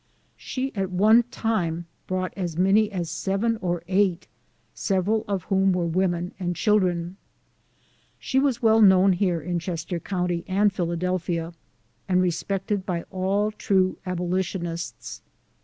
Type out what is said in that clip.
She at one time brought as many as seven or eight, several of whom were women and children. She was well known here v in Chester County and Philadelphia, and respected by all true abolitionists.